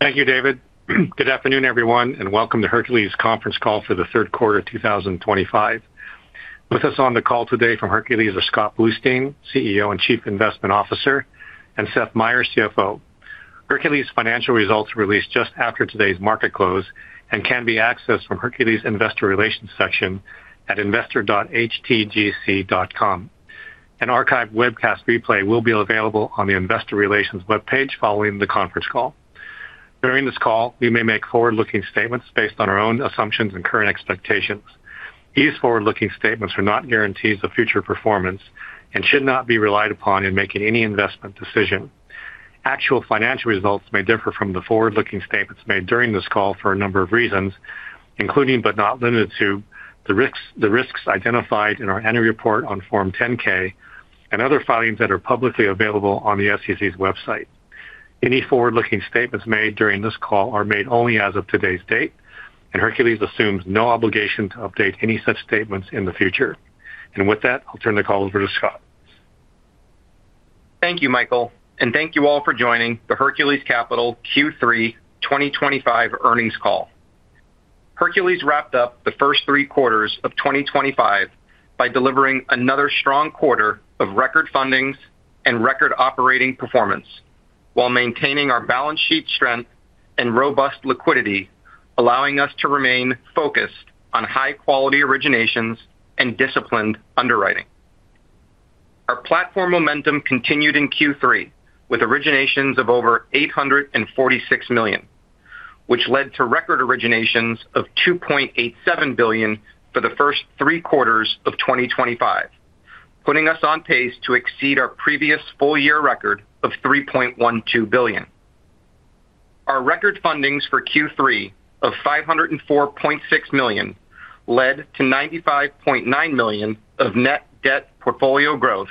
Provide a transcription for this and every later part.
Thank you, David. Good afternoon, everyone, and welcome to Hercules conference call for the third quarter of 2025. With us on the call today from Hercules are Scott Bluestein, CEO and Chief Investment Officer, and Seth Meyer, CFO. Hercules' financial results were released just after today's market close and can be accessed from Hercules Investor Relations section at investor.htgc.com. An archived webcast replay will be available on the Investor Relations webpage following the conference call. During this call, we may make forward-looking statements based on our own assumptions and current expectations. These forward-looking statements are not guarantees of future performance and should not be relied upon in making any investment decision. Actual financial results may differ from the forward-looking statements made during this call for a number of reasons, including but not limited to the risks identified in our annual report on Form 10-K and other filings that are publicly available on the SEC's website. Any forward-looking statements made during this call are made only as of today's date, and Hercules assumes no obligation to update any such statements in the future. With that, I'll turn the call over to Scott. Thank you, Michael, and thank you all for joining the Hercules Capital Q3 2025 earnings call. Hercules wrapped up the first three quarters of 2025 by delivering another strong quarter of record fundings and record operating performance while maintaining our balance sheet strength and robust liquidity, allowing us to remain focused on high-quality originations and disciplined underwriting. Our platform momentum continued in Q3 with originations of over $846 million, which led to record originations of $2.87 billion for the first three quarters of 2025, putting us on pace to exceed our previous full-year record of $3.12 billion. Our record fundings for Q3 of $504.6 million led to $95.9 million of net debt portfolio growth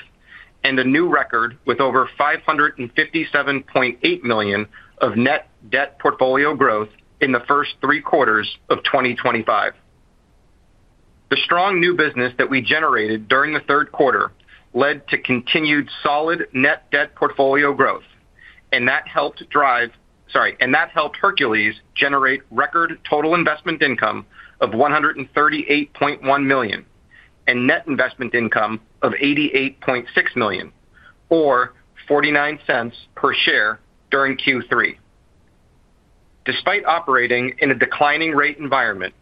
and a new record with over $557.8 million of net debt portfolio growth in the first three quarters of 2025. The strong new business that we generated during the third quarter led to continued solid net debt portfolio growth, and that helped Hercules generate record total investment income of $138.1 million and net investment income of $88.6 million, or $0.49 per share during Q3. Despite operating in a declining rate environment,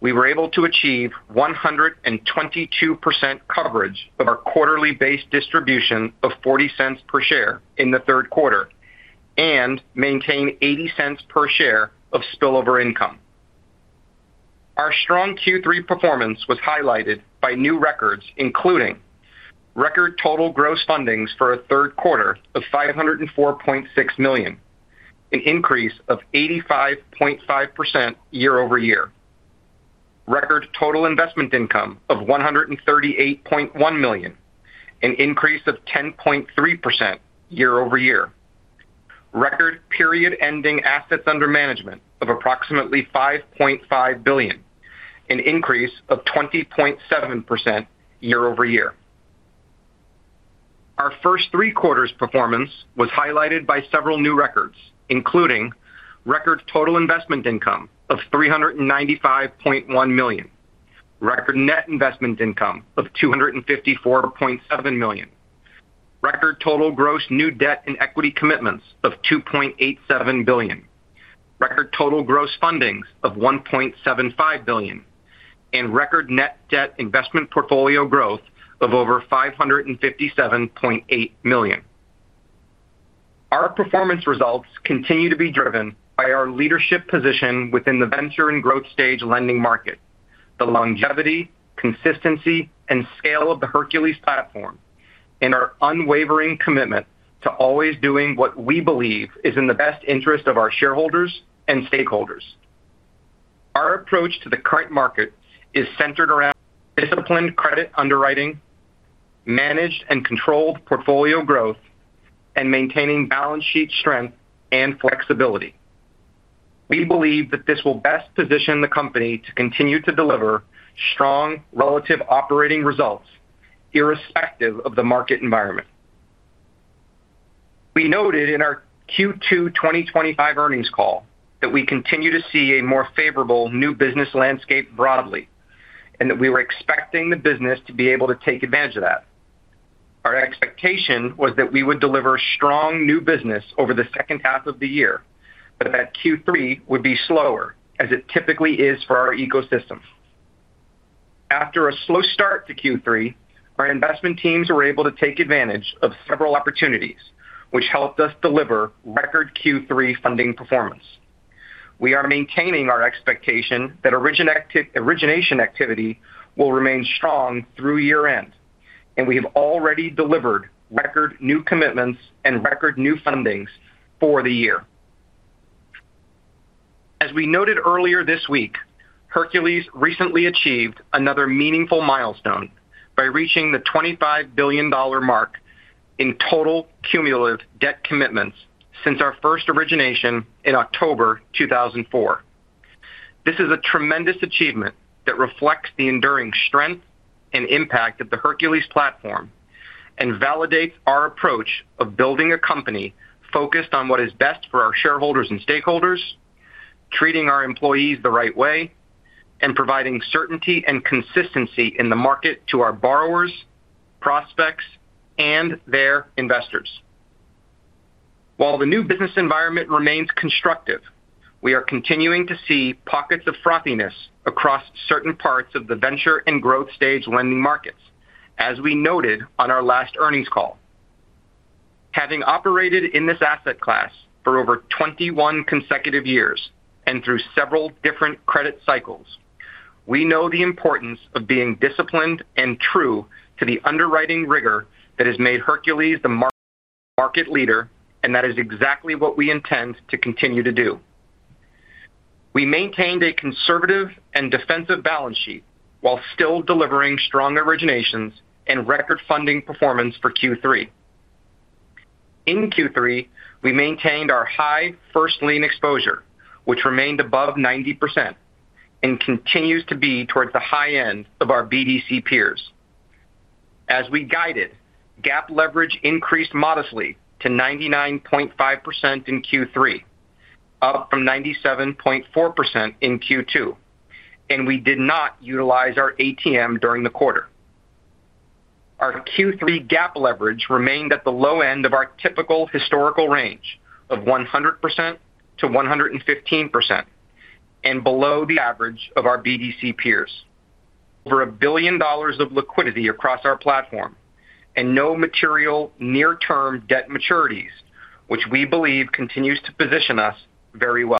we were able to achieve 122% coverage of our quarterly base distribution of $0.40 per share in the third quarter and maintain $0.80 per share of spillover income. Our strong Q3 performance was highlighted by new records, including record total gross fundings for a third quarter of $504.6 million, an increase of 85.5% year-over-year. Record total investment income of $138.1 million, an increase of 10.3% year-over-year. Record period-ending assets under management of approximately $5.5 billion, an increase of 20.7% year-over-year. Our first three quarters performance was highlighted by several new records, including record total investment income of $395.1 million, record net investment income of $254.7 million, record total gross new debt and equity commitments of $2.87 billion, record total gross fundings of $1.75 billion, and record net debt investment portfolio growth of over $557.8 million. Our performance results continue to be driven by our leadership position within the venture and growth stage lending market, the longevity, consistency, and scale of the Hercules platform, and our unwavering commitment to always doing what we believe is in the best interest of our shareholders and stakeholders. Our approach to the current market is centered around disciplined credit underwriting. Managed and controlled portfolio growth, and maintaining balance sheet strength and flexibility. We believe that this will best position the company to continue to deliver strong relative operating results irrespective of the market environment. We noted in our Q2 2025 earnings call that we continue to see a more favorable new business landscape broadly and that we were expecting the business to be able to take advantage of that. Our expectation was that we would deliver strong new business over the second half of the year, but that Q3 would be slower as it typically is for our ecosystem. After a slow start to Q3, our investment teams were able to take advantage of several opportunities, which helped us deliver record Q3 funding performance. We are maintaining our expectation that origination activity will remain strong through year-end, and we have already delivered record new commitments and record new fundings for the year. As we noted earlier this week, Hercules recently achieved another meaningful milestone by reaching the $25 billion mark in total cumulative debt commitments since our first origination in October 2004. This is a tremendous achievement that reflects the enduring strength and impact of the Hercules platform and validates our approach of building a company focused on what is best for our shareholders and stakeholders, treating our employees the right way, and providing certainty and consistency in the market to our borrowers, prospects, and their investors. While the new business environment remains constructive, we are continuing to see pockets of frothiness across certain parts of the venture and growth stage lending markets, as we noted on our last earnings call. Having operated in this asset class for over 21 consecutive years and through several different credit cycles, we know the importance of being disciplined and true to the underwriting rigor that has made Hercules the market leader, and that is exactly what we intend to continue to do. We maintained a conservative and defensive balance sheet while still delivering strong originations and record funding performance for Q3. In Q3, we maintained our high first lien exposure, which remained above 90% and continues to be towards the high end of our BDC peers. As we guided, GAAP leverage increased modestly to 99.5% in Q3, up from 97.4% in Q2, and we did not utilize our ATM during the quarter. Our Q3 GAAP leverage remained at the low end of our typical historical range of 100%-115%, and below the average of our BDC peers. Over $1 billion of liquidity across our platform and no material near-term debt maturities, which we believe continues to position us very well.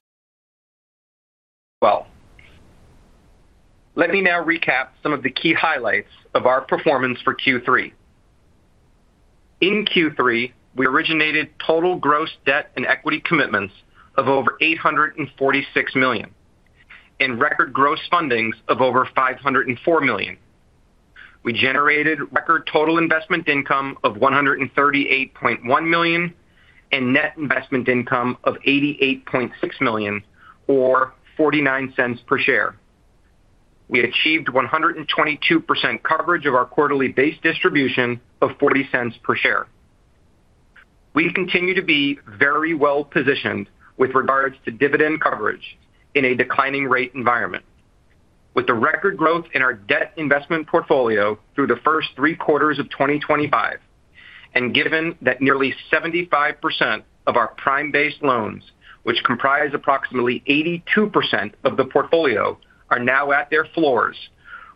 Let me now recap some of the key highlights of our performance for Q3. In Q3, we originated total gross debt and equity commitments of over $846 million and record gross fundings of over $504 million. We generated record total investment income of $138.1 million and net investment income of $88.6 million, or $0.49 per share. We achieved 122% coverage of our quarterly base distribution of $0.40 per share. We continue to be very well positioned with regards to dividend coverage in a declining rate environment. With the record growth in our debt investment portfolio through the first three quarters of 2025, and given that nearly 75% of our prime-based loans, which comprise approximately 82% of the portfolio, are now at their floors,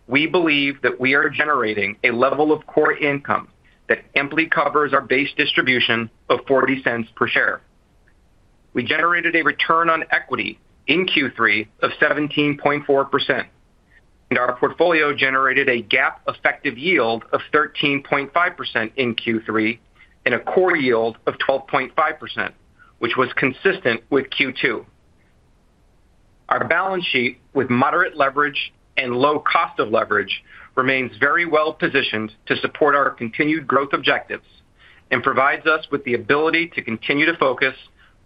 we believe that we are generating a level of core income that amply covers our base distribution of $0.40 per share. We generated a return on equity in Q3 of 17.4%, and our portfolio generated a GAAP effective yield of 13.5% in Q3 and a core yield of 12.5%, which was consistent with Q2. Our balance sheet, with moderate leverage and low cost of leverage, remains very well positioned to support our continued growth objectives and provides us with the ability to continue to focus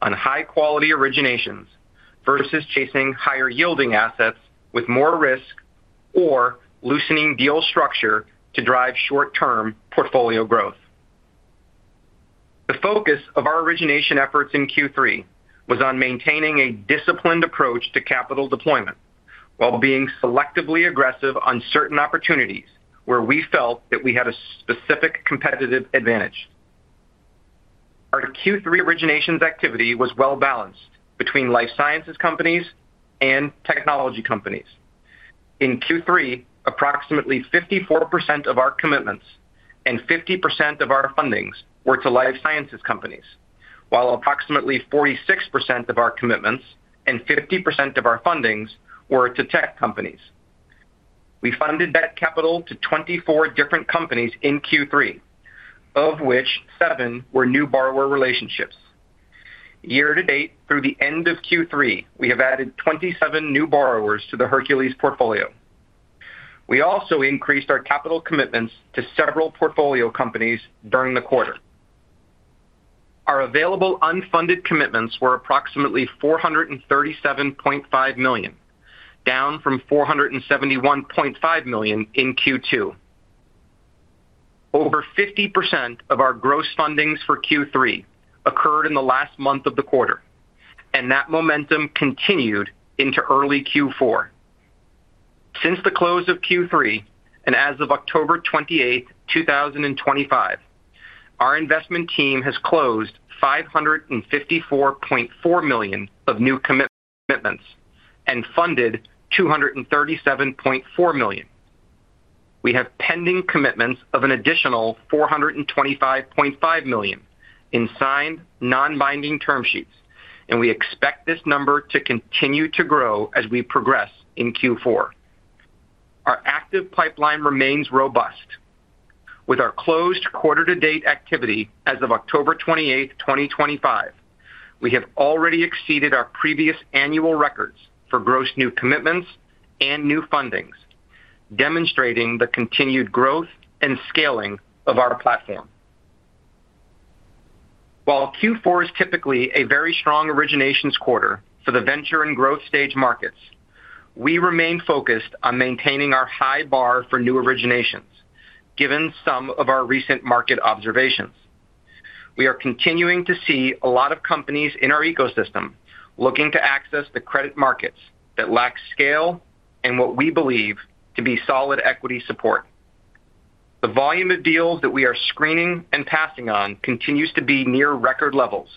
on high-quality originations versus chasing higher-yielding assets with more risk or loosening deal structure to drive short-term portfolio growth. The focus of our origination efforts in Q3 was on maintaining a disciplined approach to capital deployment while being selectively aggressive on certain opportunities where we felt that we had a specific competitive advantage. Our Q3 origination activity was well-balanced between life sciences companies and technology companies. In Q3, approximately 54% of our commitments and 50% of our fundings were to life sciences companies, while approximately 46% of our commitments and 50% of our fundings were to tech companies. We funded that capital to 24 different companies in Q3, of which seven were new borrower relationships. Year-to-date, through the end of Q3, we have added 27 new borrowers to the Hercules portfolio. We also increased our capital commitments to several portfolio companies during the quarter. Our available unfunded commitments were approximately $437.5 million, down from $471.5 million in Q2. Over 50% of our gross fundings for Q3 occurred in the last month of the quarter, and that momentum continued into early Q4. Since the close of Q3 and as of October 28th, 2025, our investment team has closed $554.4 million of new commitments and funded $237.4 million. We have pending commitments of an additional $425.5 million in signed non-binding term sheets, and we expect this number to continue to grow as we progress in Q4. Our active pipeline remains robust. With our closed quarter-to-date activity as of October 28th, 2025, we have already exceeded our previous annual records for gross new commitments and new fundings, demonstrating the continued growth and scaling of our platform. While Q4 is typically a very strong originations quarter for the venture and growth stage markets, we remain focused on maintaining our high bar for new originations, given some of our recent market observations. We are continuing to see a lot of companies in our ecosystem looking to access the credit markets that lack scale and what we believe to be solid equity support. The volume of deals that we are screening and passing on continues to be near record levels,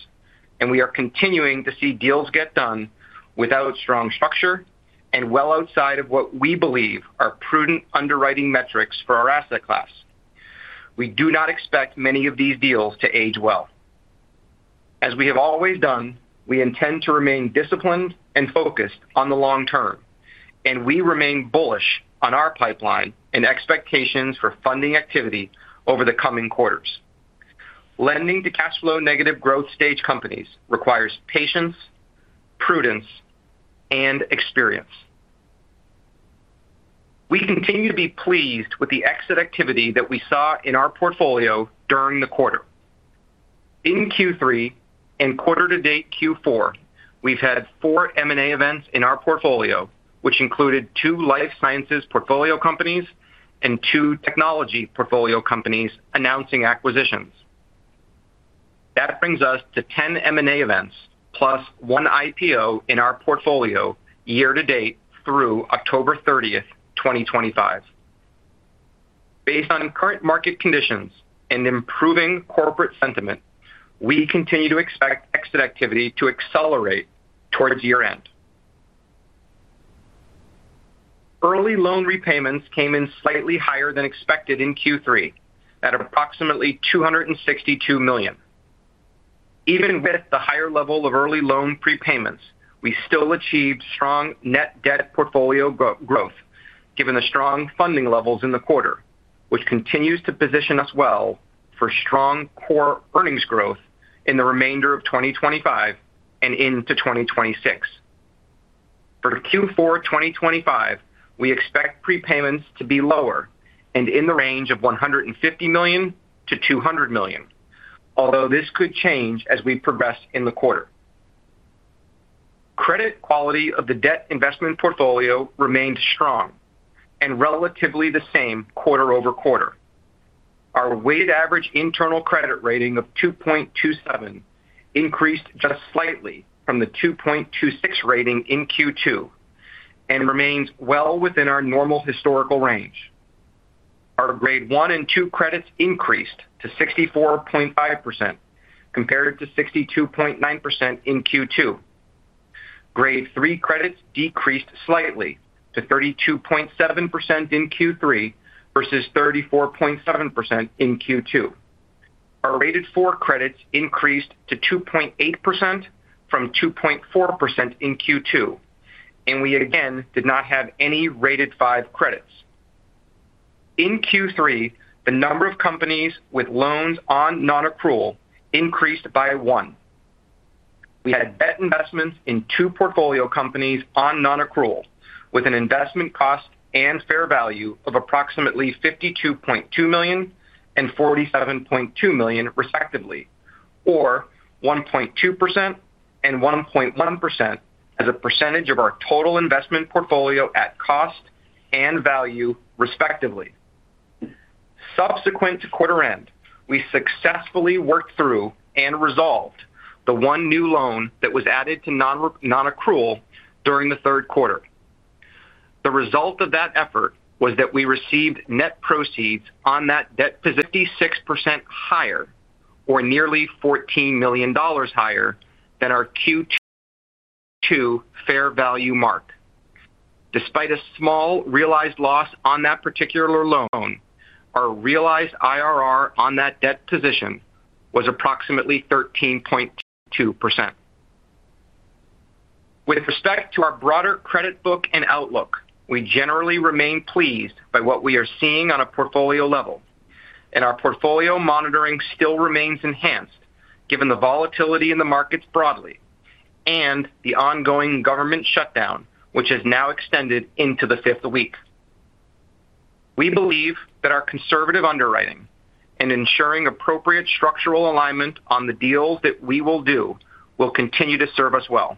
and we are continuing to see deals get done without strong structure and well outside of what we believe are prudent underwriting metrics for our asset class. We do not expect many of these deals to age well. As we have always done, we intend to remain disciplined and focused on the long term, and we remain bullish on our pipeline and expectations for funding activity over the coming quarters. Lending to cash flow negative growth stage companies requires patience, prudence, and experience. We continue to be pleased with the exit activity that we saw in our portfolio during the quarter. In Q3 and quarter-to-date Q4, we've had four M&A events in our portfolio, which included two life sciences portfolio companies and two technology portfolio companies announcing acquisitions. That brings us to 10 M&A events plus one IPO in our portfolio year-to-date through October 30th, 2025. Based on current market conditions and improving corporate sentiment, we continue to expect exit activity to accelerate towards year-end. Early loan repayments came in slightly higher than expected in Q3 at approximately $262 million. Even with the higher level of early loan prepayments, we still achieved strong net debt portfolio growth given the strong funding levels in the quarter, which continues to position us well for strong core earnings growth in the remainder of 2025 and into 2026. For Q4 2025, we expect prepayments to be lower and in the range of $150 million-$200 million, although this could change as we progress in the quarter. Credit quality of the debt investment portfolio remained strong and relatively the same quarter-over-quarter. Our weighted average internal credit rating of 2.27 increased just slightly from the 2.26 rating in Q2 and remains well within our normal historical range. Our grade one and two credits increased to 64.5% compared to 62.9% in Q2. Grade three credits decreased slightly to 32.7% in Q3 versus 34.7% in Q2. Our rated four credits increased to 2.8% from 2.4% in Q2, and we again did not have any rated five credits. In Q3, the number of companies with loans on non-accrual increased by one. We had debt investments in two portfolio companies on non-accrual with an investment cost and fair value of approximately $52.2 million and $47.2 million respectively, or 1.2% and 1.1% as a percentage of our total investment portfolio at cost and value respectively. Subsequent to quarter-end, we successfully worked through and resolved the one new loan that was added to non-accrual during the third quarter. The result of that effort was that we received net proceeds on that debt position 56% higher, or nearly $14 million higher than our Q2 fair value mark. Despite a small realized loss on that particular loan, our realized IRR on that debt position was approximately 13.2%. With respect to our broader credit book and outlook, we generally remain pleased by what we are seeing on a portfolio level, and our portfolio monitoring still remains enhanced given the volatility in the markets broadly and the ongoing government shutdown, which has now extended into the fifth week. We believe that our conservative underwriting and ensuring appropriate structural alignment on the deals that we will do will continue to serve us well.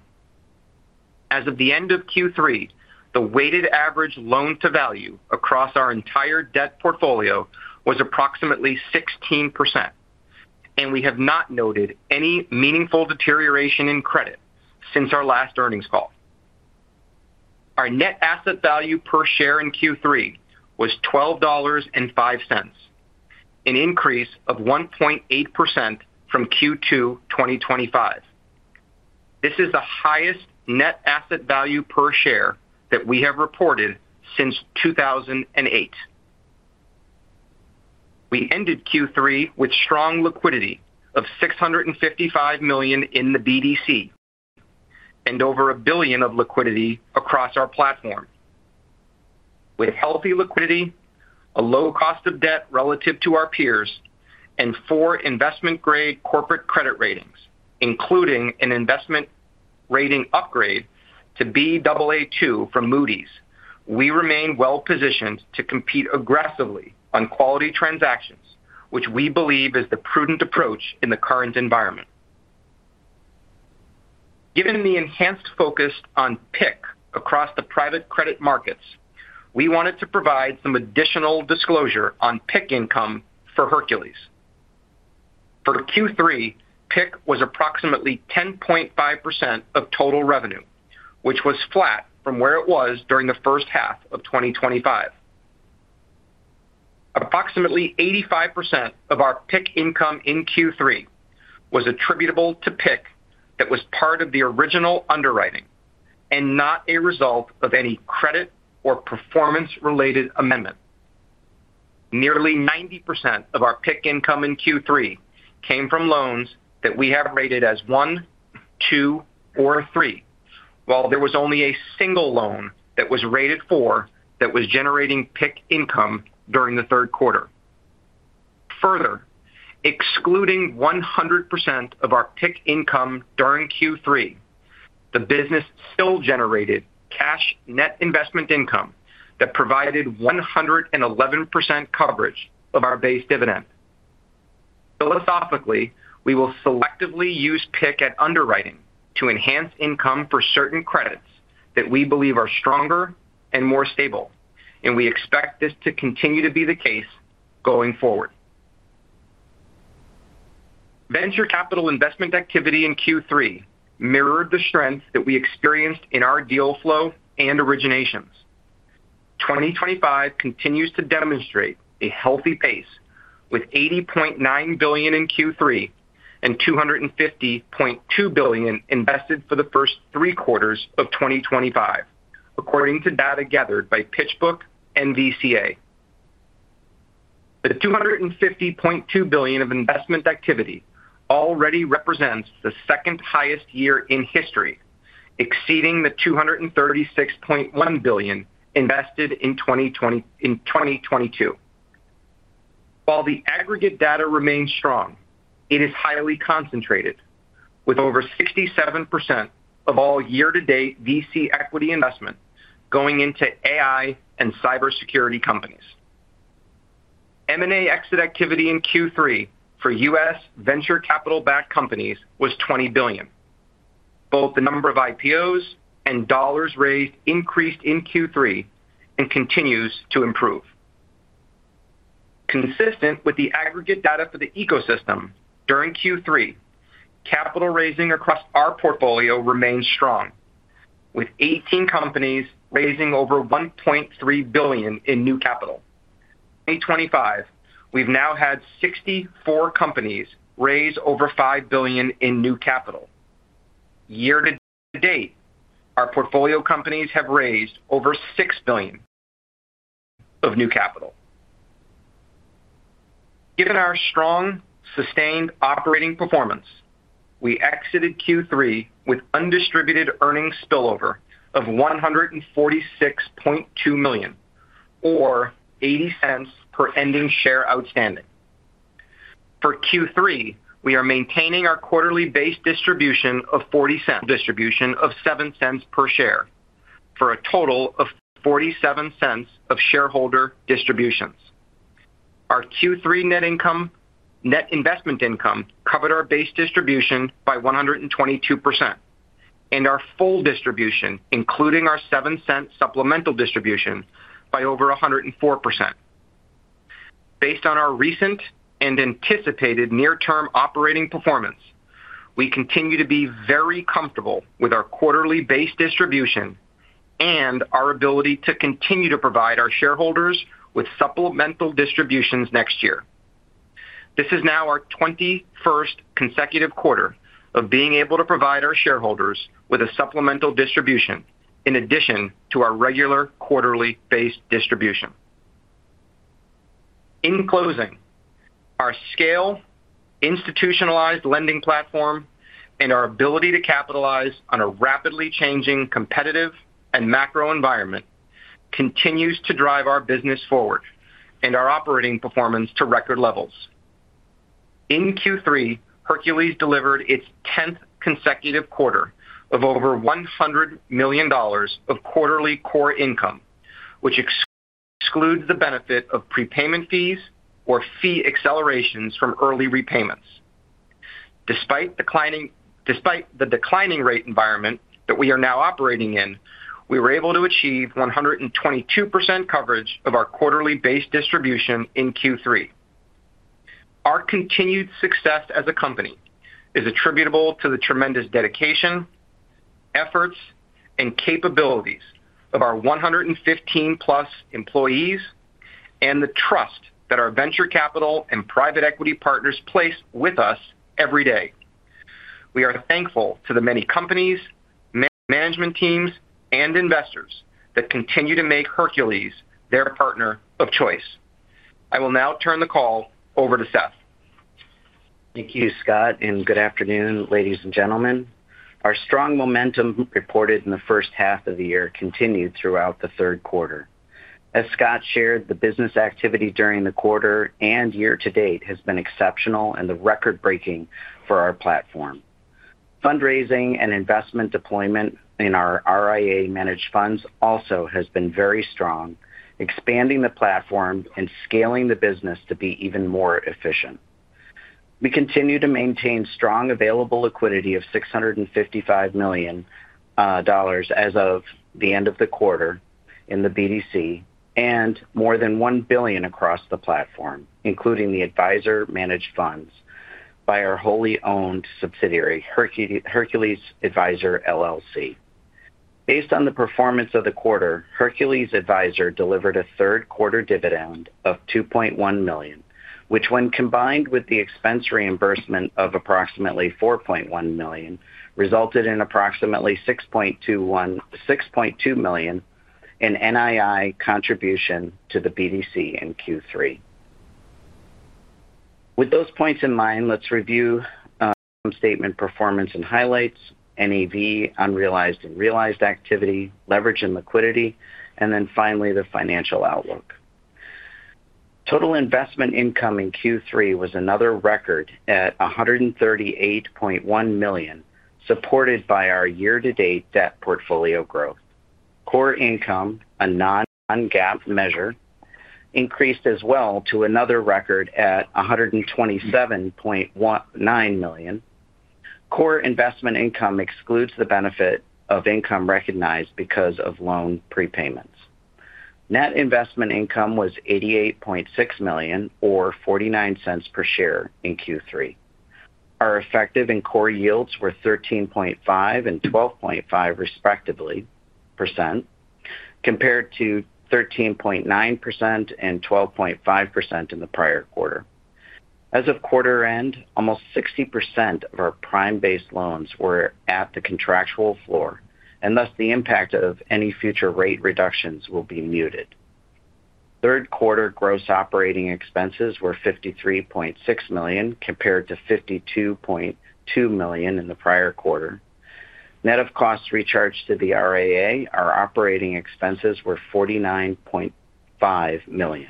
As of the end of Q3, the weighted average loan-to-value across our entire debt portfolio was approximately 16%. We have not noted any meaningful deterioration in credit since our last earnings call. Our net asset value per share in Q3 was $12.05, an increase of 1.8% from Q2 2025. This is the highest net asset value per share that we have reported since 2008. We ended Q3 with strong liquidity of $655 million in the BDC and over $1 billion of liquidity across our platform. With healthy liquidity, a low cost of debt relative to our peers, and four investment-grade corporate credit ratings, including an investment rating upgrade to Baa2 from Moody's, we remain well-positioned to compete aggressively on quality transactions, which we believe is the prudent approach in the current environment. Given the enhanced focus on PIC across the private credit markets, we wanted to provide some additional disclosure on PIC income for Hercules. For Q3, PIC was approximately 10.5% of total revenue, which was flat from where it was during the first half of 2025. Approximately 85% of our PIC income in Q3 was attributable to PIC that was part of the original underwriting and not a result of any credit or performance-related amendment. Nearly 90% of our PIC income in Q3 came from loans that we have rated as one, two, or three, while there was only a single loan that was rated four that was generating PIC income during the third quarter. Further, excluding 100% of our PIC income during Q3, the business still generated cash net investment income that provided 111% coverage of our base dividend. Philosophically, we will selectively use PIC at underwriting to enhance income for certain credits that we believe are stronger and more stable, and we expect this to continue to be the case going forward. Venture capital investment activity in Q3 mirrored the strength that we experienced in our deal flow and originations. 2025 continues to demonstrate a healthy pace, with $80.9 billion in Q3 and $250.2 billion invested for the first three quarters of 2025, according to data gathered by PitchBook and NVCA. The $250.2 billion of investment activity already represents the second highest year in history, exceeding the $236.1 billion invested in 2022. While the aggregate data remains strong, it is highly concentrated, with over 67% of all year-to-date VC equity investment going into AI and cybersecurity companies. M&A exit activity in Q3 for U.S. venture capital-backed companies was $20 billion. Both the number of IPOs and dollars raised increased in Q3 and continues to improve. Consistent with the aggregate data for the ecosystem during Q3, capital raising across our portfolio remains strong, with 18 companies raising over $1.3 billion in new capital. In 2025, we've now had 64 companies raise over $5 billion in new capital. Year-to-date, our portfolio companies have raised over $6 billion of new capital. Given our strong, sustained operating performance, we exited Q3 with undistributed earnings spillover of $146.2 million, or $0.80 per ending share outstanding. For Q3, we are maintaining our quarterly base distribution of $0.40, distribution of $0.07 per share for a total of $0.47 of shareholder distributions. Our Q3 net investment income covered our base distribution by 122%, and our full distribution, including our $0.07 supplemental distribution, by over 104%. Based on our recent and anticipated near-term operating performance, we continue to be very comfortable with our quarterly base distribution and our ability to continue to provide our shareholders with supplemental distributions next year. This is now our 21st consecutive quarter of being able to provide our shareholders with a supplemental distribution in addition to our regular quarterly base distribution. In closing, our scale, institutionalized lending platform, and our ability to capitalize on a rapidly changing competitive and macro environment continue to drive our business forward and our operating performance to record levels. In Q3, Hercules delivered its 10th consecutive quarter of over $100 million of quarterly core income, which excludes the benefit of prepayment fees or fee accelerations from early repayments. Despite the declining rate environment that we are now operating in, we were able to achieve 122% coverage of our quarterly base distribution in Q3. Our continued success as a company is attributable to the tremendous dedication, efforts, and capabilities of our 115-plus employees and the trust that our venture capital and private equity partners place with us every day. We are thankful to the many companies, management teams, and investors that continue to make Hercules their partner of choice. I will now turn the call over to Seth. Thank you, Scott, and good afternoon, ladies and gentlemen. Our strong momentum reported in the first half of the year continued throughout the third quarter. As Scott shared, the business activity during the quarter and year-to-date has been exceptional and record-breaking for our platform. Fundraising and investment deployment in our RIA-managed funds also has been very strong, expanding the platform and scaling the business to be even more efficient. We continue to maintain strong available liquidity of $655 million as of the end of the quarter in the BDC and more than $1 billion across the platform, including the advisor-managed funds by our wholly owned subsidiary, Hercules Advisor LLC. Based on the performance of the quarter, Hercules Advisor delivered a third-quarter dividend of $2.1 million, which, when combined with the expense reimbursement of approximately $4.1 million, resulted in approximately $6.2 million in NII contribution to the BDC in Q3. With those points in mind, let's review statement performance and highlights, NAV, unrealized and realized activity, leverage and liquidity, and then finally the financial outlook. Total investment income in Q3 was another record at $138.1 million, supported by our year-to-date debt portfolio growth. Core income, a non-GAAP measure, increased as well to another record at $127.9 million. Core investment income excludes the benefit of income recognized because of loan prepayments. Net investment income was $88.6 million, or $0.49 per share in Q3. Our effective and core yields were 13.5% and 12.5%, respectively, compared to 13.9% and 12.5% in the prior quarter. As of quarter-end, almost 60% of our prime-based loans were at the contractual floor, and thus the impact of any future rate reductions will be muted. Third-quarter gross operating expenses were $53.6 million compared to $52.2 million in the prior quarter. Net of costs recharged to the RIA, our operating expenses were $49.5 million.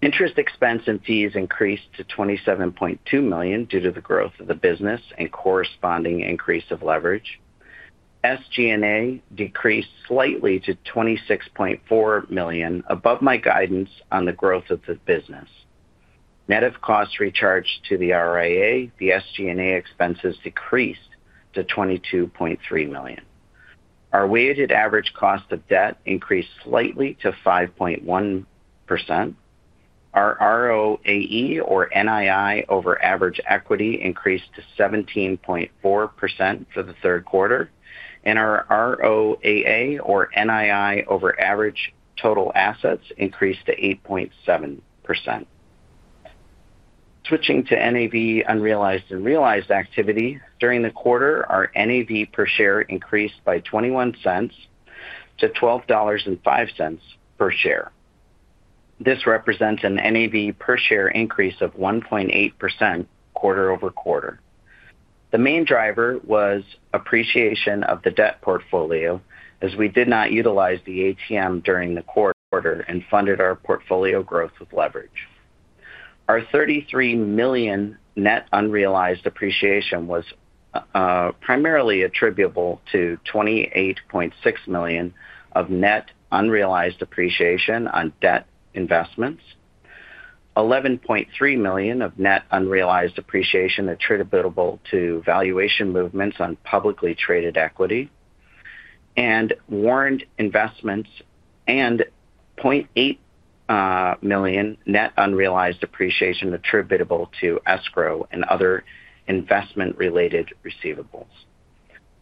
Interest expense and fees increased to $27.2 million due to the growth of the business and corresponding increase of leverage. SG&A decreased slightly to $26.4 million, above my guidance on the growth of the business. Net of costs recharged to the RIA, the SG&A expenses decreased to $22.3 million. Our weighted average cost of debt increased slightly to 5.1%. Our ROAE, or NII over average equity, increased to 17.4% for the third quarter, and our ROAA, or NII over average total assets, increased to 8.7%. Switching to NAV, unrealized and realized activity, during the quarter, our NAV per share increased by $0.21 to $12.05 per share. This represents an NAV per share increase of 1.8% quarter-over-quarter. The main driver was appreciation of the debt portfolio, as we did not utilize the ATM during the quarter and funded our portfolio growth with leverage. Our $33 million net unrealized appreciation was. Primarily attributable to $28.6 million of net unrealized appreciation on debt investments, $11.3 million of net unrealized appreciation attributable to valuation movements on publicly traded equity and warrant investments, and $0.8 million net unrealized appreciation attributable to escrow and other investment-related receivables.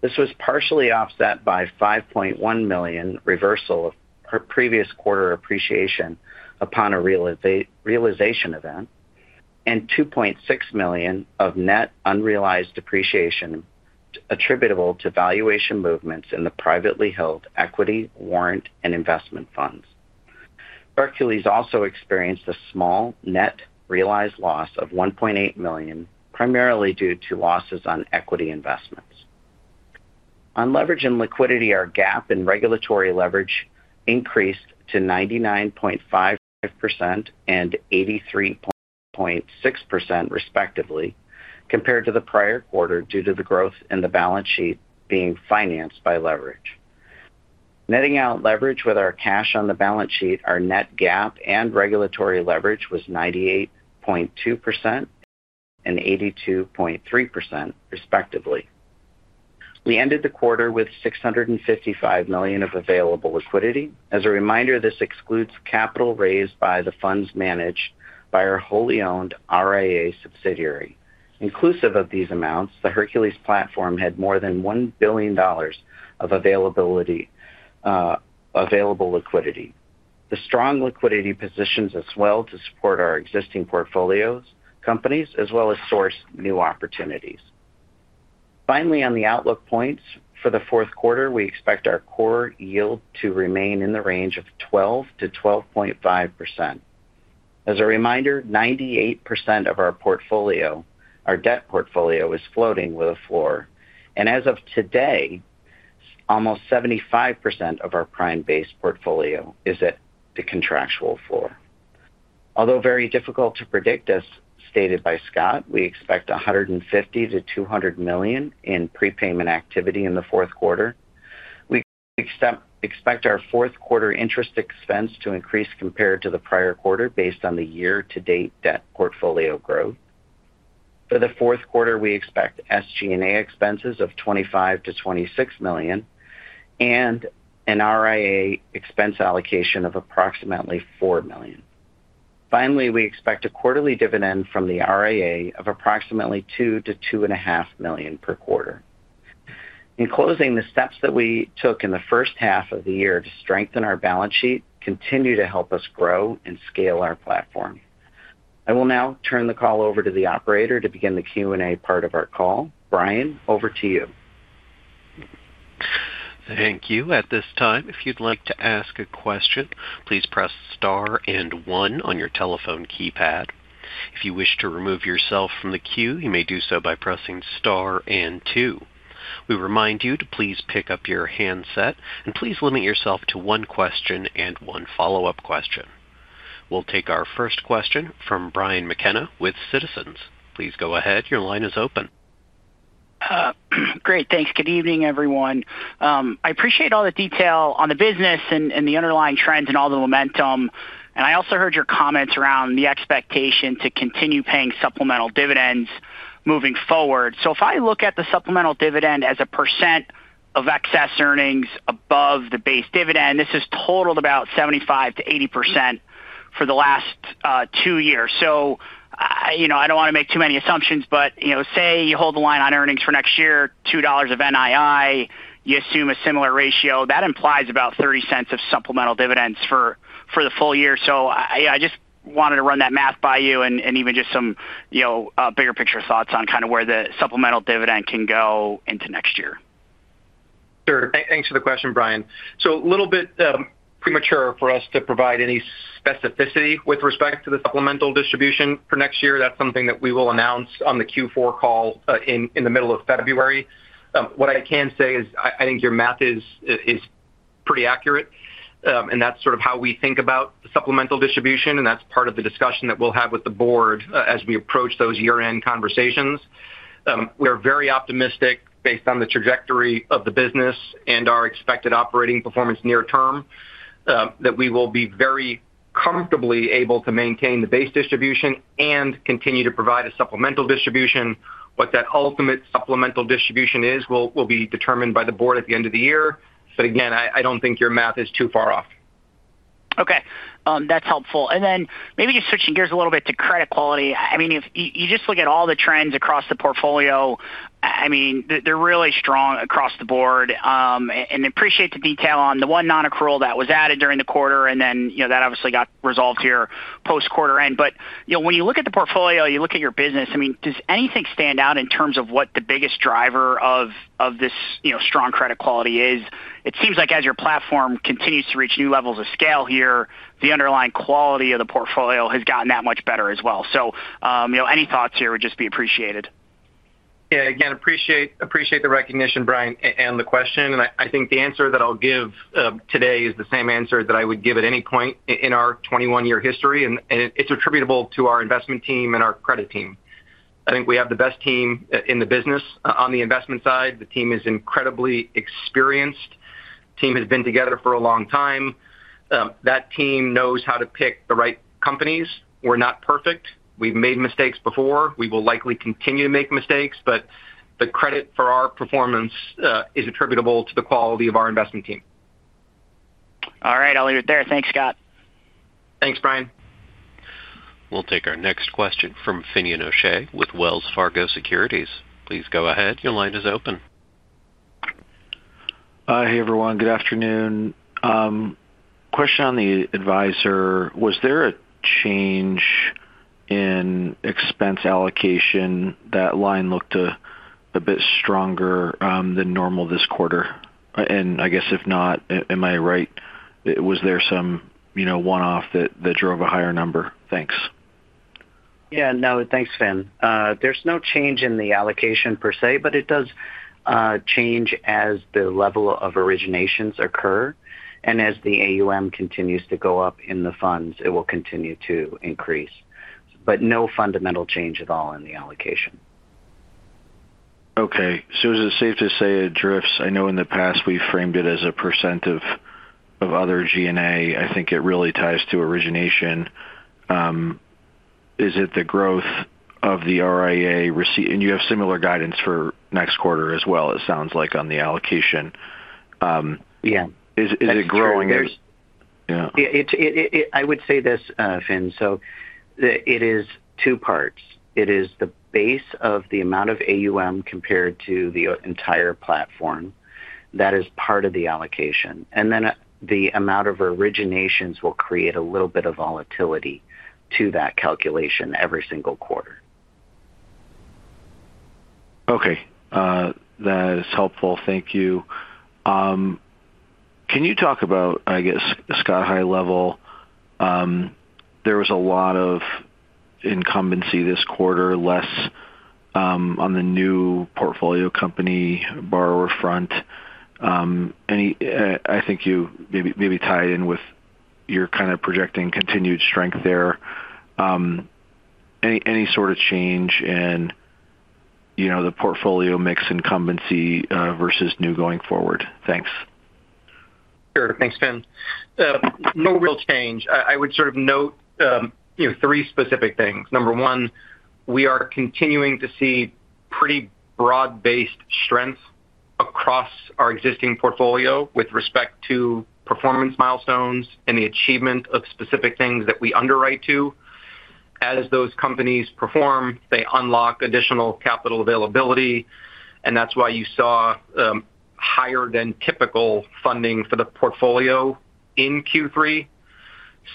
This was partially offset by $5.1 million reversal of previous quarter appreciation upon a realization event, and $2.6 million of net unrealized appreciation attributable to valuation movements in the privately held equity, warrant, and investment funds. Hercules also experienced a small net realized loss of $1.8 million, primarily due to losses on equity investments. On leverage and liquidity, our GAAP and regulatory leverage increased to 99.5% and 83.6%, respectively, compared to the prior quarter due to the growth in the balance sheet being financed by leverage. Netting out leverage with our cash on the balance sheet, our net GAAP and regulatory leverage was 98.2% and 82.3%, respectively. We ended the quarter with $655 million of available liquidity. As a reminder, this excludes capital raised by the funds managed by our wholly owned RIA subsidiary. Inclusive of these amounts, the Hercules platform had more than $1 billion of available liquidity. The strong liquidity positions us well to support our existing portfolio companies, as well as source new opportunities. Finally, on the outlook points for the fourth quarter, we expect our core yield to remain in the range of 12%-12.5%. As a reminder, 98% of our debt portfolio is floating with a floor, and as of today, almost 75% of our prime-based portfolio is at the contractual floor. Although very difficult to predict, as stated by Scott, we expect $150 million-$200 million in prepayment activity in the fourth quarter. We expect our fourth quarter interest expense to increase compared to the prior quarter based on the year-to-date debt portfolio growth. For the fourth quarter, we expect SG&A expenses of $25 million-$26 million and an RIA expense allocation of approximately $4 million. Finally, we expect a quarterly dividend from the RIA of approximately $2 million-$2.5 million per quarter. In closing, the steps that we took in the first half of the year to strengthen our balance sheet continue to help us grow and scale our platform. I will now turn the call over to the operator to begin the Q&A part of our call. Brian, over to you. Thank you. At this time, if you'd like to ask a question, please press star and one on your telephone keypad. If you wish to remove yourself from the queue, you may do so by pressing star and two. We remind you to please pick up your handset and please limit yourself to one question and one follow-up question. We'll take our first question from Brian Mckenna with Citizens. Please go ahead. Your line is open. Great. Thanks. Good evening, everyone. I appreciate all the detail on the business and the underlying trends and all the momentum. I also heard your comments around the expectation to continue paying supplemental dividends moving forward. If I look at the supplemental dividend as a percent of excess earnings above the base dividend, this has totaled about 75%-80% for the last two years. I don't want to make too many assumptions, but say you hold the line on earnings for next year, $2 of NII, you assume a similar ratio, that implies about $0.30 of supplemental dividends for the full year. I just wanted to run that math by you and even just some bigger picture thoughts on kind of where the supplemental dividend can go into next year. Sure. Thanks for the question, Brian. It is a little bit premature for us to provide any specificity with respect to the supplemental distribution for next year. That is something that we will announce on the Q4 call in the middle of February. What I can say is I think your math is pretty accurate, and that is sort of how we think about the supplemental distribution. That is part of the discussion that we will have with the board as we approach those year-end conversations. We are very optimistic based on the trajectory of the business and our expected operating performance near term that we will be very comfortably able to maintain the base distribution and continue to provide a supplemental distribution. What that ultimate supplemental distribution is will be determined by the board at the end of the year. Again, I do not think your math is too far off. Okay. That's helpful. Maybe just switching gears a little bit to credit quality. If you just look at all the trends across the portfolio, they're really strong across the board. I appreciate the detail on the one non-accrual that was added during the quarter, and that obviously got resolved here post-quarter-end. When you look at the portfolio, you look at your business, does anything stand out in terms of what the biggest driver of this strong credit quality is? It seems like as your platform continues to reach new levels of scale here, the underlying quality of the portfolio has gotten that much better as well. Any thoughts here would just be appreciated. Yeah, appreciate the recognition, Brian, and the question. I think the answer that I'll give today is the same answer that I would give at any point in our 21-year history. It's attributable to our investment team and our credit team. I think we have the best team in the business on the investment side. The team is incredibly experienced and has been together for a long time. That team knows how to pick the right companies. We're not perfect. We've made mistakes before. We will likely continue to make mistakes. The credit for our performance is attributable to the quality of our investment team. All right. I'll leave it there. Thanks, Scott. Thanks, Brian. We'll take our next question from Finian O'Shea with Wells Fargo Securities. Please go ahead. Your line is open. Hey, everyone. Good afternoon. Question on the advisor. Was there a change in expense allocation? That line looked a bit stronger than normal this quarter. If not, am I right? Was there some one-off that drove a higher number? Thanks. Yeah. No. Thanks, Finian. There's no change in the allocation per se, but it does change as the level of originations occur. As the assets under management continue to go up in the funds, it will continue to increase. No fundamental change at all in the allocation. Okay. Is it safe to say it drifts? I know in the past we framed it as a percent of other G&A. I think it really ties to origination. Is it the growth of the RIA? You have similar guidance for next quarter as well, it sounds like, on the allocation. Yeah. Is it growing? I would say this, Finn. It is two parts. It is the base of the amount of assets under management compared to the entire platform. That is part of the allocation, and then the amount of originations will create a little bit of volatility to that calculation every single quarter. Okay, that is helpful. Thank you. Can you talk about, I guess, Scott, high level? There was a lot of incumbency this quarter, less on the new portfolio company borrower front. I think you maybe tied in with your kind of projecting continued strength there. Any sort of change in the portfolio mix incumbency versus new going forward? Thanks. Sure. Thanks, Finian. No real change. I would sort of note three specific things. Number one, we are continuing to see pretty broad-based strength across our existing portfolio with respect to performance milestones and the achievement of specific things that we underwrite to. As those companies perform, they unlock additional capital availability. That's why you saw higher than typical funding for the portfolio in Q3. The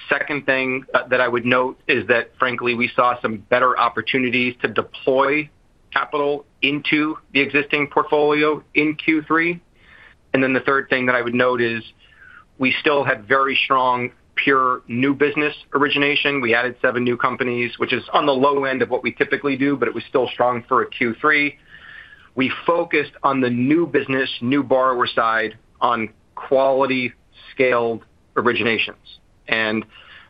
second thing that I would note is that, frankly, we saw some better opportunities to deploy capital into the existing portfolio in Q3. The third thing that I would note is we still had very strong pure new business origination. We added seven new companies, which is on the low end of what we typically do, but it was still strong for a Q3. We focused on the new business, new borrower side on quality-scaled originations.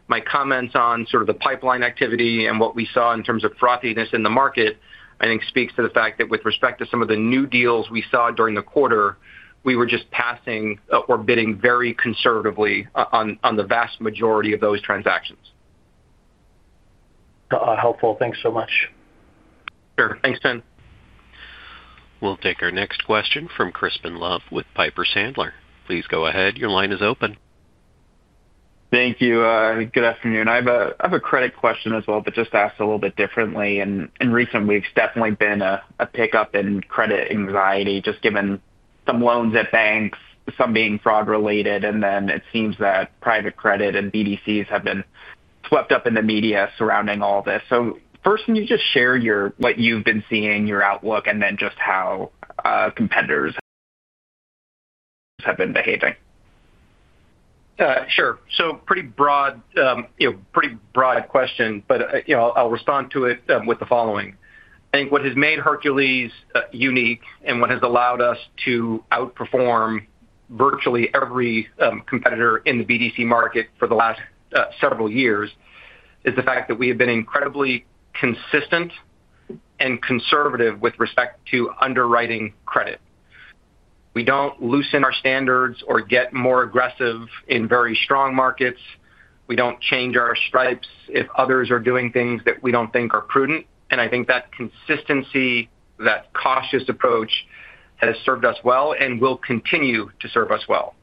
My comments on the pipeline activity and what we saw in terms of frothiness in the market, I think, speak to the fact that with respect to some of the new deals we saw during the quarter, we were just passing or bidding very conservatively on the vast majority of those transactions. Helpful. Thanks so much. Sure. Thanks, Finn. We'll take our next question from Crispin Love with Piper Sandler. Please go ahead. Your line is open. Thank you. Good afternoon. I have a credit question as well, just asked a little bit differently. In recent weeks, there's definitely been a pickup in credit anxiety, just given some loans at banks, some being fraud-related. It seems that private credit and BDCs have been swept up in the media surrounding all this. First, can you just share what you've been seeing, your outlook, and then just how competitors have been behaving? Sure. Pretty broad question, but I'll respond to it with the following. I think what has made Hercules unique and what has allowed us to outperform virtually every competitor in the BDC market for the last several years is the fact that we have been incredibly consistent and conservative with respect to underwriting credit. We don't loosen our standards or get more aggressive in very strong markets. We don't change our stripes if others are doing things that we don't think are prudent. I think that consistency, that cautious approach has served us well and will continue to serve us well.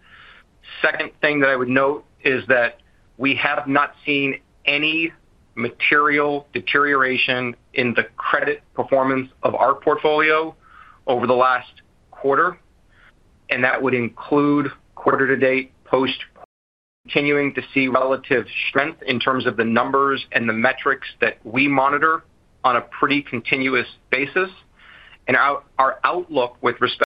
The second thing that I would note is that we have not seen any material deterioration in the credit performance of our portfolio over the last quarter, and that would include quarter-to-date, post. Continuing to see relative strength in terms of the numbers and the metrics that we monitor on a pretty continuous basis. Our outlook with respect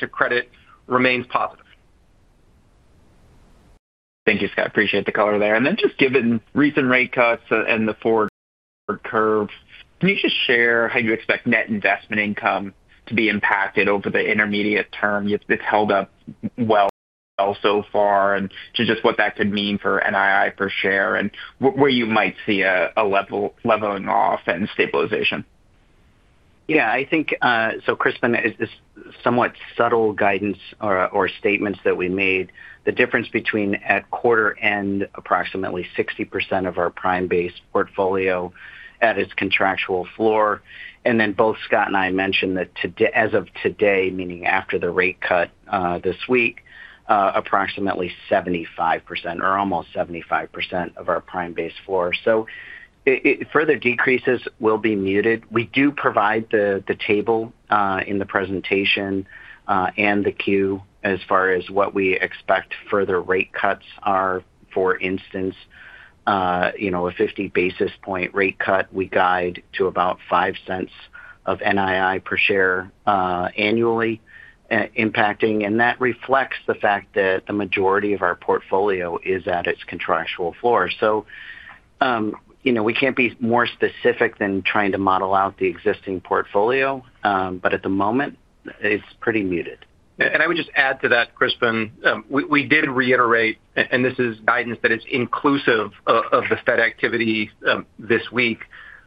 to credit remains positive. Thank you, Scott. Appreciate the color there. Given recent rate cuts and the forward curve, can you just share how you expect net investment income to be impacted over the intermediate term? It's held up well so far. What could that mean for NII per share and where you might see a leveling off and stabilization? Yeah. Crispin, this somewhat subtle guidance or statements that we made, the difference between at quarter-end, approximately 60% of our prime-based portfolio at its contractual floor. Then both Scott and I mentioned that as of today, meaning after the rate cut this week, approximately 75% or almost 75% of our prime-based floor. Further decreases will be muted. We do provide the table in the presentation and the Q as far as what we expect further rate cuts are. For instance, a 50 basis point rate cut, we guide to about $0.05 of NII per share annually impacting. That reflects the fact that the majority of our portfolio is at its contractual floor. We can't be more specific than trying to model out the existing portfolio. At the moment, it's pretty muted. I would just add to that, Crispin. We did reiterate, and this is guidance that is inclusive of the Fed activity this week.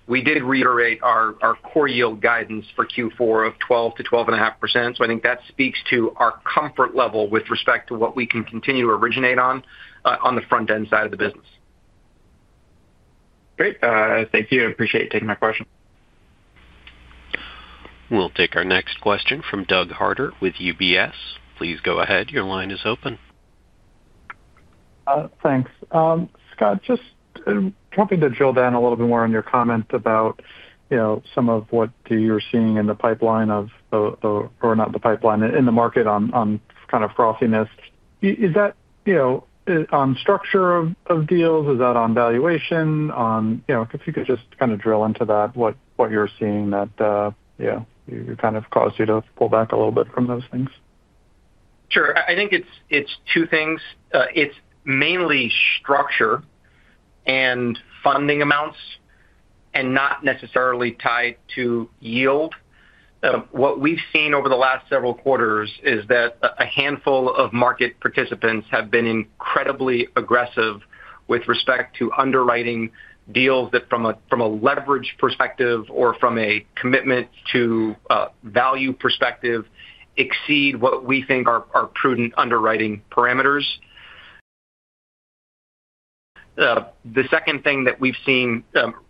We did reiterate our core yield guidance for Q4 of 12%-12.5%. I think that speaks to our comfort level with respect to what we can continue to originate on the front-end side of the business. Great. Thank you. Appreciate you taking my question. We'll take our next question from Doug Harter with UBS. Please go ahead. Your line is open. Thanks. Scott, just hoping to drill down a little bit more on your comment about some of what you're seeing in the pipeline, or not the pipeline, in the market on kind of frothiness. Is that on structure of deals? Is that on valuation? If you could just kind of drill into that, what you're seeing that kind of caused you to pull back a little bit from those things. Sure. I think it's two things. It's mainly structure and funding amounts and not necessarily tied to yield. What we've seen over the last several quarters is that a handful of market participants have been incredibly aggressive with respect to underwriting deals that, from a leverage perspective or from a commitment to value perspective, exceed what we think are prudent underwriting parameters. The second thing that we've seen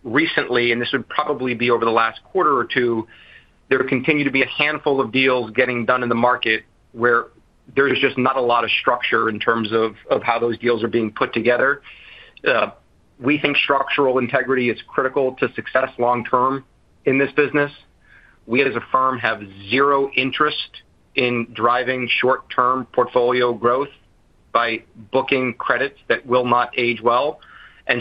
recently, and this would probably be over the last quarter or two, there continue to be a handful of deals getting done in the market where there's just not a lot of structure in terms of how those deals are being put together. We think structural integrity is critical to success long-term in this business. We, as a firm, have zero interest in driving short-term portfolio growth by booking credits that will not age well.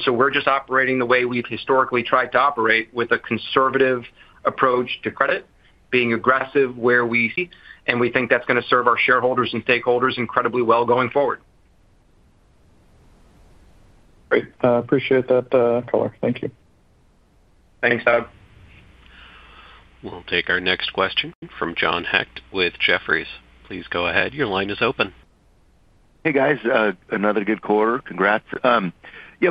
We're just operating the way we've historically tried to operate with a conservative approach to credit, being aggressive where we can, and we think that's going to serve our shareholders and stakeholders incredibly well going forward. Great. Appreciate that, Tolar. Thank you. Thanks, Doug. We'll take our next question from John Hecht with Jefferies. Please go ahead. Your line is open. Hey, guys. Another good quarter. Congrats.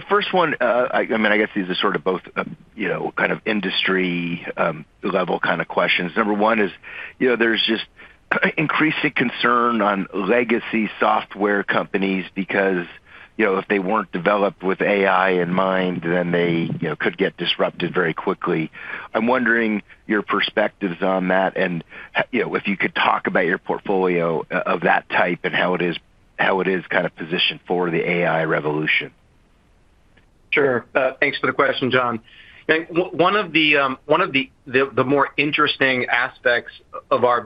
First one, I mean, I guess these are both kind of industry-level questions. Number one is there's just increasing concern on legacy software companies because if they weren't developed with AI in mind, they could get disrupted very quickly. I'm wondering your perspectives on that and if you could talk about your portfolio of that type and how it is positioned for the AI revolution. Sure. Thanks for the question, John. One of the more interesting aspects of our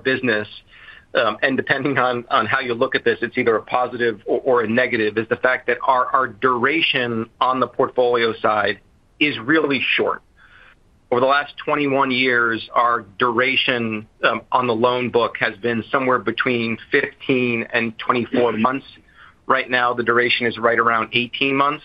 business, and depending on how you look at this, it's either a positive or a negative, is the fact that our duration on the portfolio side is really short. Over the last 21 years, our duration on the loan book has been somewhere between 15 and 24 months. Right now, the duration is right around 18 months.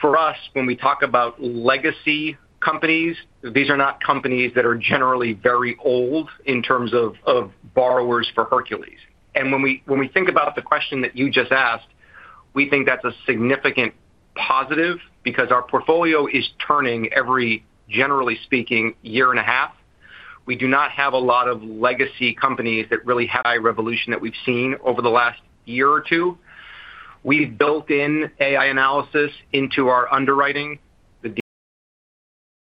For us, when we talk about legacy companies, these are not companies that are generally very old in terms of borrowers for Hercules. When we think about the question that you just asked, we think that's a significant positive because our portfolio is turning every, generally speaking, year and a half. We do not have a lot of legacy companies that really have AI revolution that we've seen over the last year or two. We've built in AI analysis into our underwriting, the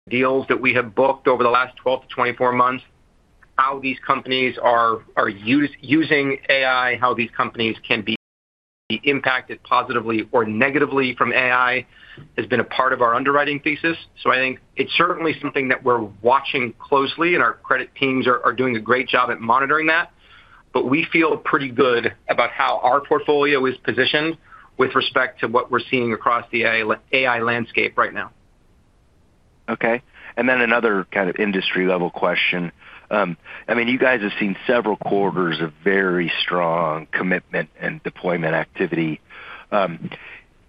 deals that we have booked over the last 12-24 months, how these companies are using AI, how these companies can be impacted positively or negatively from AI has been a part of our underwriting thesis. I think it's certainly something that we're watching closely, and our credit teams are doing a great job at monitoring that. We feel pretty good about how our portfolio is positioned with respect to what we're seeing across the AI landscape right now. Okay. Another kind of industry-level question. You guys have seen several quarters of very strong commitment and deployment activity.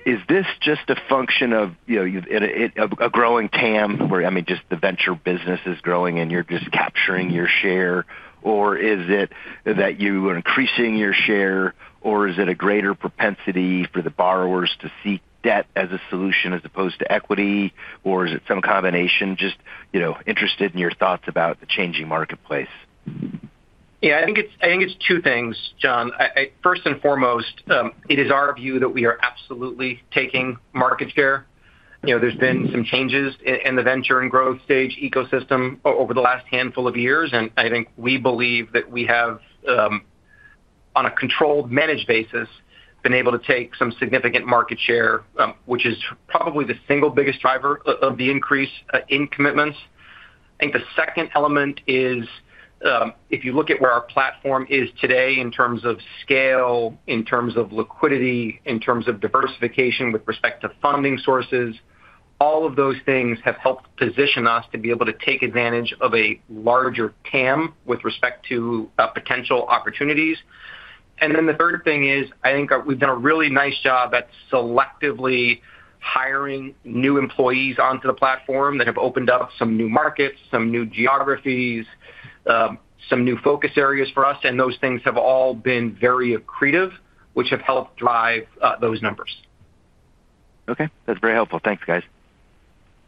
Is this just a function of a growing TAM, where the venture business is growing and you're just capturing your share, or is it that you are increasing your share, or is it a greater propensity for the borrowers to seek debt as a solution as opposed to equity, or is it some combination? Just interested in your thoughts about the changing marketplace. Yeah. I think it's two things, John. First and foremost, it is our view that we are absolutely taking market share. There's been some changes in the venture and growth stage ecosystem over the last handful of years. I think we believe that we have, on a controlled, managed basis, been able to take some significant market share, which is probably the single biggest driver of the increase in commitments. The second element is, if you look at where our platform is today in terms of scale, in terms of liquidity, in terms of diversification with respect to funding sources, all of those things have helped position us to be able to take advantage of a larger TAM with respect to potential opportunities. The third thing is I think we've done a really nice job at selectively hiring new employees onto the platform that have opened up some new markets, some new geographies, some new focus areas for us. Those things have all been very accretive, which have helped drive those numbers. Okay, that's very helpful. Thanks, guys.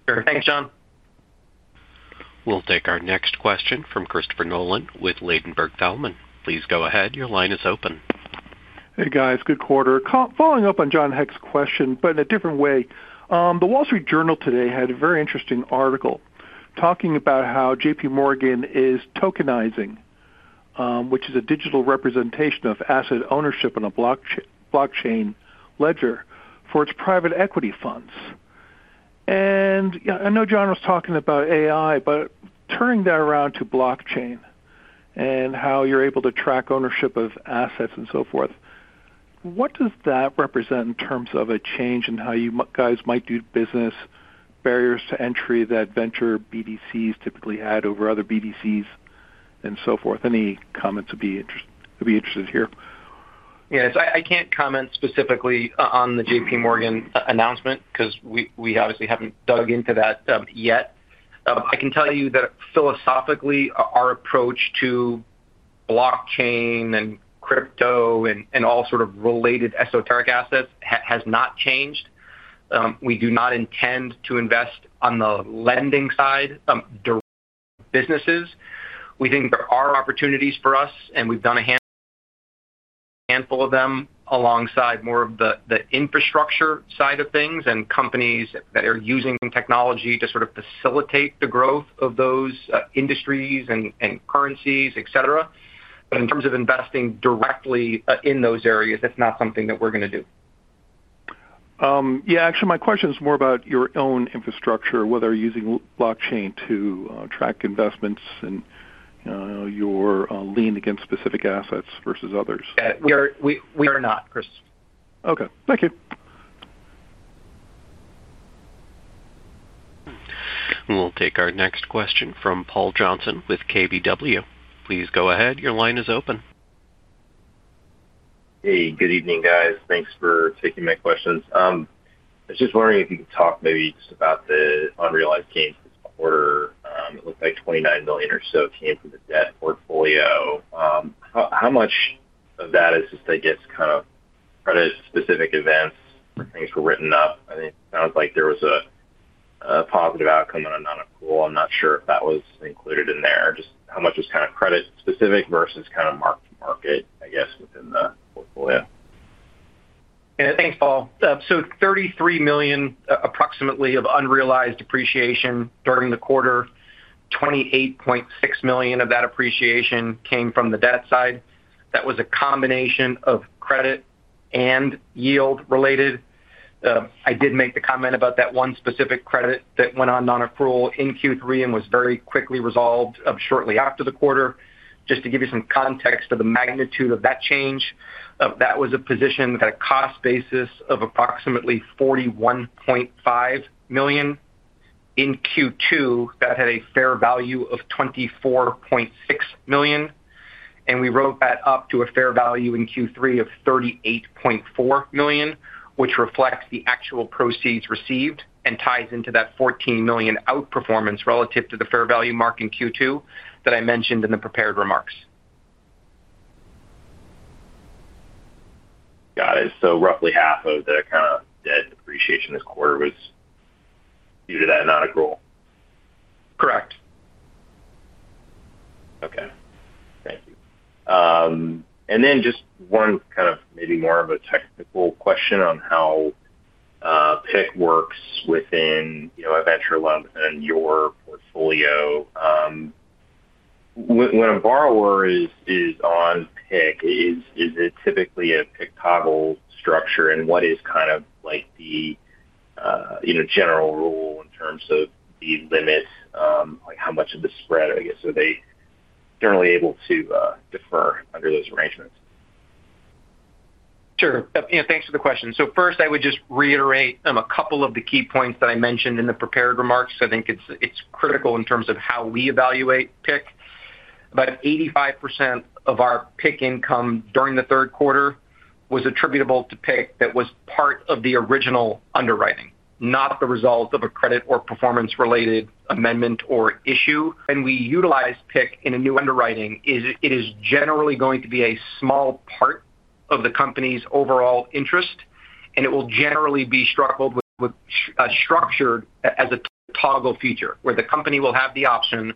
Sure. Thanks, John. We'll take our next question from Christopher Nolan with Ladenburg Thalmann. Please go ahead. Your line is open. Hey, guys. Good quarter. Following up on John Hecht's question, but in a different way. The Wall Street Journal today had a very interesting article talking about how JPMorgan is tokenizing, which is a digital representation of asset ownership on a blockchain ledger for its private equity funds. I know John was talking about AI, but turning that around to blockchain and how you're able to track ownership of assets and so forth. What does that represent in terms of a change in how you guys might do business? Barriers to entry that venture BDCs typically had over other BDCs and so forth? Any comments would be interested to hear. Yeah. I can't comment specifically on the JPMorgan announcement because we obviously haven't dug into that yet. I can tell you that philosophically, our approach to blockchain and crypto and all sort of related esoteric assets has not changed. We do not intend to invest on the lending side businesses. We think there are opportunities for us, and we've done a handful of them alongside more of the infrastructure side of things and companies that are using technology to sort of facilitate the growth of those industries and currencies, etc. In terms of investing directly in those areas, that's not something that we're going to do. Yeah. Actually, my question is more about your own infrastructure, whether using blockchain to track investments and your lien against specific assets versus others. We are not, Chris. Okay, thank you. We'll take our next question from Paul Johnson with KBW. Please go ahead. Your line is open. Hey. Good evening, guys. Thanks for taking my questions. I was just wondering if you could talk maybe just about the unrealized gains this quarter. It looked like $29 million or so came from the debt portfolio. How much of that is just, I guess, kind of credit-specific events where things were written up? I mean, it sounds like there was a positive outcome on a non-pool. I'm not sure if that was included in there. Just how much was kind of credit-specific versus kind of mark-to-market, I guess, within the portfolio? Yeah. Thanks, Paul. $33 million, approximately, of unrealized appreciation during the quarter. $28.6 million of that appreciation came from the debt side. That was a combination of credit and yield-related. I did make the comment about that one specific credit that went on non-accrual in Q3 and was very quickly resolved shortly after the quarter. Just to give you some context of the magnitude of that change, that was a position that had a cost basis of approximately $41.5 million. In Q2, that had a fair value of $24.6 million. We rose that up to a fair value in Q3 of $38.4 million, which reflects the actual proceeds received and ties into that $14 million outperformance relative to the fair value mark in Q2 that I mentioned in the prepared remarks. Got it. Roughly half of the kind of debt appreciation this quarter was due to that non-accrual. Correct. Okay. Thank you. Just one kind of maybe more of a technical question on how PIK works within a venture loan within your portfolio. When a borrower is on PIK, is it typically a PIK toggle structure? What is the general rule in terms of the limit, how much of the spread, I guess, are they generally able to defer under those arrangements? Sure. Thanks for the question. First, I would just reiterate a couple of the key points that I mentioned in the prepared remarks. I think it's critical in terms of how we evaluate PIC. About 85% of our PIC income during the third quarter was attributable to PIC that was part of the original underwriting, not the result of a credit or performance-related amendment or issue. We utilize PIC in a new underwriting, it is generally going to be a small part of the company's overall interest, and it will generally be structured as a toggle feature where the company will have the option,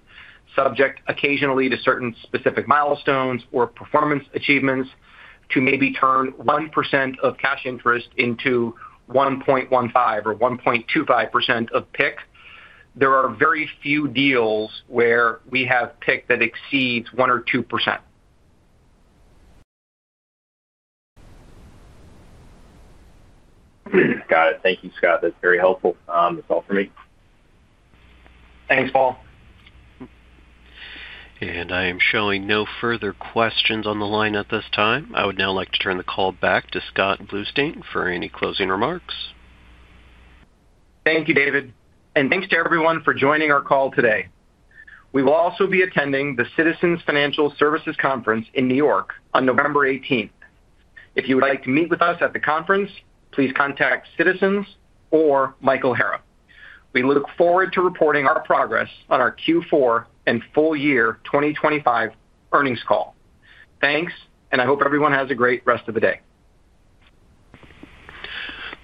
subject occasionally to certain specific milestones or performance achievements, to maybe turn 1% of cash interest into 1.15% or 1.25% of PIC. There are very few deals where we have PIC that exceeds 1% or 2%. Got it. Thank you, Scott. That's very helpful. That's all for me. Thanks, Paul. I am showing no further questions on the line at this time. I would now like to turn the call back to Scott Bluestein for any closing remarks. Thank you, David. Thank you to everyone for joining our call today. We will also be attending the Citizens financial services conference in New York on November 18th. If you would like to meet with us at the conference, please contact Citizens or Michael Hara. We look forward to reporting our progress on our Q4 and full year 2025 earnings call. Thank you, and I hope everyone has a great rest of the day.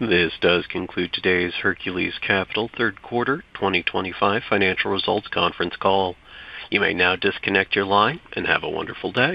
This does conclude today's Hercules Capital third quarter 2025 financial results conference call. You may now disconnect your line and have a wonderful day.